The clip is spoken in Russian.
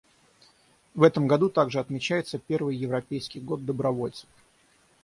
В этом году также отмечается первый Европейский год добровольцев.